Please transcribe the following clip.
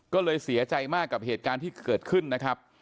ก็เลยเสียใจมากกับเหตุการณ์ที่เกิดขึ้นนะครับ